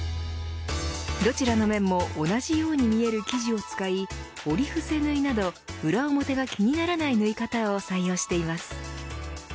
どちらの面も同じように見える生地を使い折り伏せ縫いなど裏表が気にならない縫い方を採用しています。